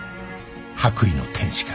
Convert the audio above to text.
白衣の天使か？